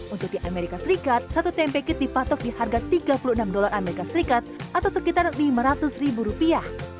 untuk di amerika serikat satu tempe kit dipatok di harga tiga puluh enam dolar amerika serikat atau sekitar lima ratus ribu rupiah